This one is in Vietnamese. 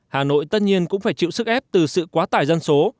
hà nội tất nhiên cũng phải chịu sức ép từ sự quá tải dân số